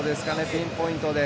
ピンポイントで。